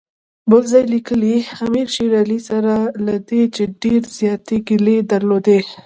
بل ځای لیکي امیر شېر علي سره له دې چې ډېرې زیاتې ګیلې درلودې.